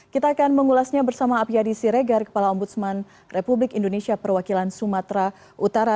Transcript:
kita akan mengulasnya bersama apyadi siregar kepala ombudsman republik indonesia perwakilan sumatera utara